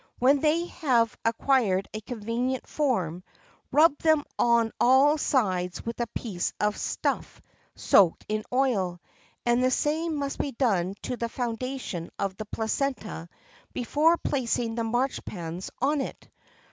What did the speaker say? When they have acquired a convenient form, rub them on all sides with a piece of stuff soaked in oil, and the same must be done to the foundation of the placenta before placing the marchpans on it.